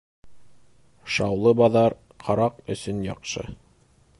Шаулы баҙар ҡараҡ өсөн яҡшы.